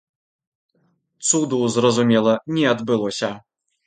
Цуду, зразумела, не адбылося.